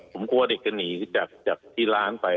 ผมกลัวเด็กจะหนีจากที่ร้านไป